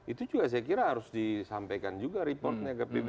itu juga saya kira harus disampaikan juga reportnya ke pbb